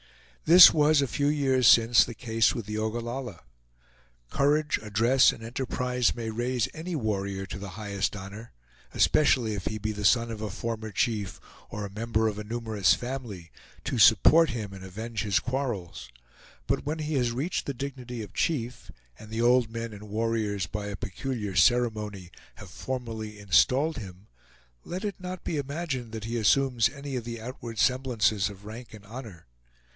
This was, a few years since, the case with the Ogallalla. Courage, address, and enterprise may raise any warrior to the highest honor, especially if he be the son of a former chief, or a member of a numerous family, to support him and avenge his quarrels; but when he has reached the dignity of chief, and the old men and warriors, by a peculiar ceremony, have formally installed him, let it not be imagined that he assumes any of the outward semblances of rank and honor.